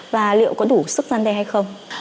và liệu có đủ sức gian đe hay không